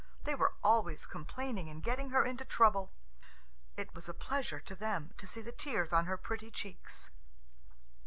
They were always complaining and getting her into trouble. It was a pleasure to them to see the tears on her pretty cheeks.